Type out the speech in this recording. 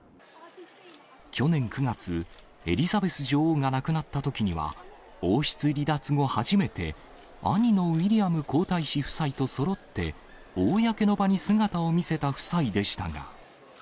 去年９月、エリザベス女王が亡くなったときには、王室離脱後初めて、兄のウィリアム皇太子夫妻とそろって、公の場に姿を見せた夫妻でしたが。